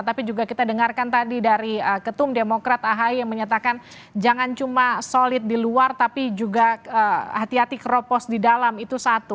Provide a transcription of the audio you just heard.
tapi juga kita dengarkan tadi dari ketum demokrat ahi yang menyatakan jangan cuma solid di luar tapi juga hati hati keropos di dalam itu satu